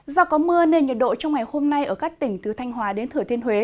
do có mưa nên nhiệt độ trong ngày hôm nay ở các tỉnh từ thanh hòa đến thừa thiên huế